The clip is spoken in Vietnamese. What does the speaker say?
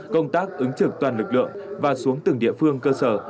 công tác ứng trực toàn lực lượng và xuống từng địa phương cơ sở